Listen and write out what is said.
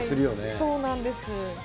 そうなんです。